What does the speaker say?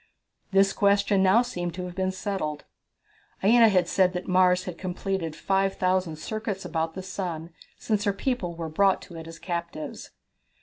This question seemed now to have been settled. Aina had said that Mars had completed 5,000 circuits about the sun since her people were brought to it as captives.